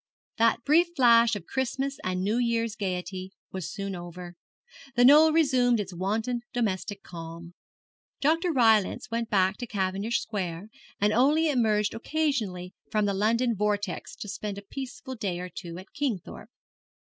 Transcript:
That brief flash of Christmas and New Year's gaiety was soon over. The Knoll resumed its wonted domestic calm. Dr. Rylance went back to Cavendish Square, and only emerged occasionally from the London vortex to spend a peaceful day or two at Kingthorpe.